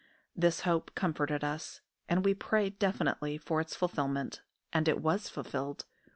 This hope comforted us; and we prayed definitely for its fulfilment, and it was fulfilled.